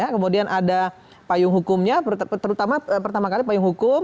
kemudian ada payung hukumnya terutama pertama kali payung hukum